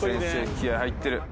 気合入ってる。